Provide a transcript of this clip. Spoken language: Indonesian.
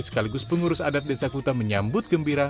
sekaligus pengurus adat desa kuta menyambut gembira